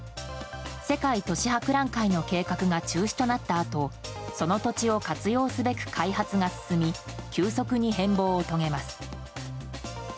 世界都市博覧会の計画が中止となったあとその土地を活用すべく開発が進み急速に変貌を遂げます。